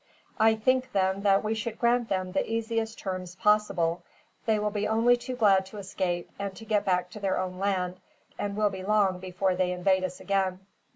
I think, then, that we should grant them the easiest terms possible. They will be only too glad to escape, and to get back to their own land, and will be long before they invade us again."